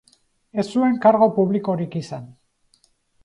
Ez zuen kargu publikorik izan.